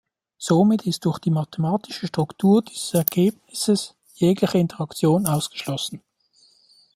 Somit ist durch die mathematische Struktur dieses Ergebnisses jegliche Interaktion ausgeschlossen.